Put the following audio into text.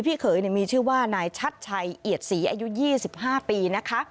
พี่เขยมีชื่อว่านายชัดชัยเอียดศรีอายุ๒๕ปีนะคะ